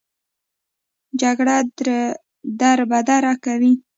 جګړه دربدره کوي